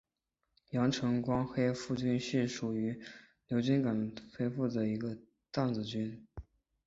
阳城光黑腹菌是属于牛肝菌目黑腹菌科光黑腹菌属的一种担子菌。